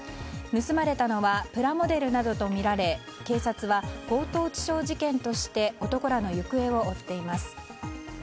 盗まれたのはプラモデルなどとみられ警察は強盗致傷事件として男らの行方を追っています。